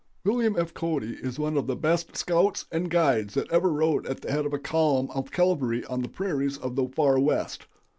"William F. Cody is one of the best scouts and guides that ever rode at the head of a column of cavalry on the prairies of the Far West.